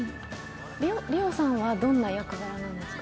梨央さんはどんな役柄なんですか？